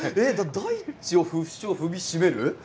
大地を不死鳥踏みしめる？